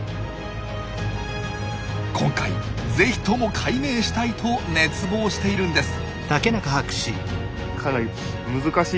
今回ぜひとも解明したいと熱望しているんです。